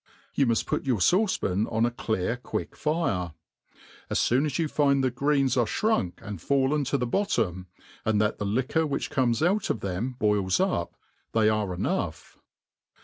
You muft put your fauce pan oti a* clear quick fire. As foon a^.you find the greens are (hrunk and fallen to the bottom, and that the liquor which comes out of them boils up, they are enough.